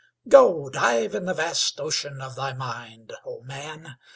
Go, dive in the vast ocean of thy mind, O man!